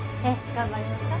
頑張りましょう！